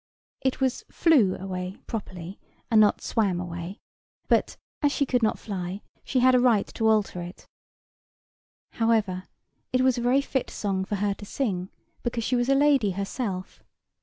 It was "flew" away, properly, and not "swam" away: but, as she could not fly, she had a right to alter it. However, it was a very fit song for her to sing, because she was a lady herself.